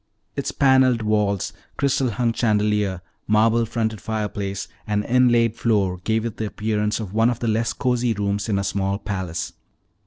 Its paneled walls, crystal hung chandelier, marble fronted fireplace, and inlaid floor gave it the appearance of one of the less cozy rooms in a small palace.